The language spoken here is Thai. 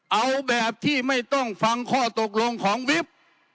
เอาแบบที่ไม่ต้องฟังข้อตกลงของวิบ